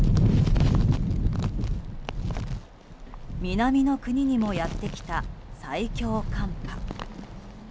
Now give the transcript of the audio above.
南の国にもやってきた最強寒波。